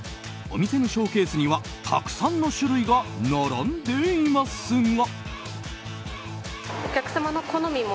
お店のショーケースにはたくさんの種類が並んでいますが。